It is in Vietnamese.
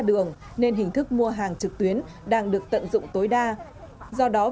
đường nên hình thức mua hàng trực tuyến đang được tận dụng tối đa do đó